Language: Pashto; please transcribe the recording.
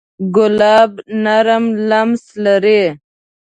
ګلاب نرم لمس لري.